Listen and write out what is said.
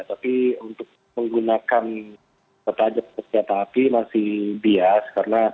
tapi untuk menggunakan petajam atau senjata api masih bias